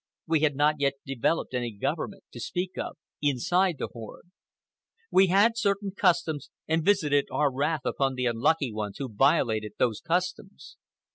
We had not yet developed any government, to speak of, inside the horde. We had certain customs and visited our wrath upon the unlucky ones who violated those customs.